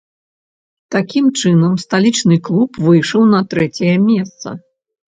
Такім чынам, сталічны клуб выйшаў на трэцяе месца.